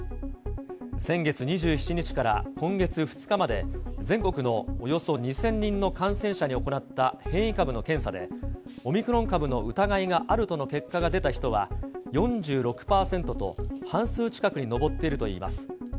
先月２７日から今月２日まで、全国のおよそ２０００人の感染者に行った変異株の検査で、オミクロン株の疑いがあるとの結果が出た人は４６％と、半数近くに上っているといいます。